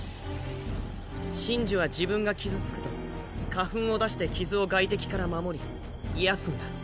神樹は自分が傷付くと花粉を出して傷を外敵から守り癒やすんだ。